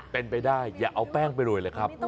เป็นไปได้อย่าเอาแป้งไปโรยเลยครับ